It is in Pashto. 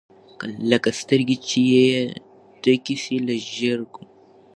لکه سترګي چي یې ډکي سي له ژرګو